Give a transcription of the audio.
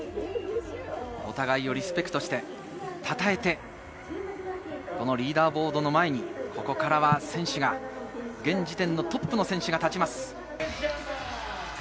お互いをリスペクトして、称えて、リーダーボードの前に、ここからは選手が、現時点のトップの選手が立ちます。